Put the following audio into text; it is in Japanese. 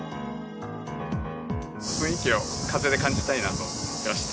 雰囲気を風で感じたいなと思って、来ました。